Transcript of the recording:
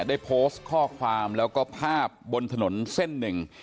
ได้โพสต์ข้อความแล้วก็ภาพบนถนนเส้นหนึ่ง